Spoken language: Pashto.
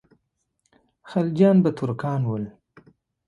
خلجیان به ترکان ول.